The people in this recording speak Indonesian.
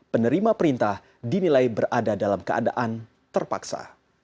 penerima perintah dinilai berada dalam keadaan terpaksa